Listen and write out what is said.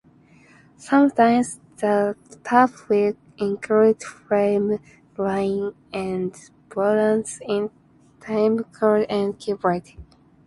Sometimes the tap will include frame lines and burned in timecode and keykode.